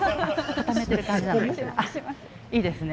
固めてる感じですね。